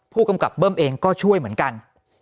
ผู้กำกับเบิ้มเองก็ช่วยเหมือนกัน